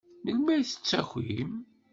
Melmi ay d-tettakim?